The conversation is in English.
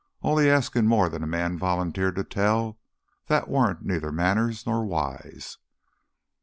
Only askin' more than a man volunteered to tell, that warn't neither manners nor wise.